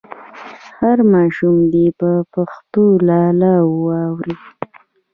هر ماشوم دې په پښتو لالا واوري.